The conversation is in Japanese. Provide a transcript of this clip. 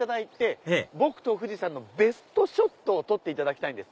ええ僕と富士山のベストショットを撮っていただきたいんです。